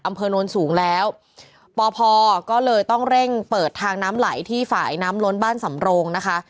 โน้นสูงแล้วปพก็เลยต้องเร่งเปิดทางน้ำไหลที่ฝ่ายน้ำล้นบ้านสำโรงนะคะ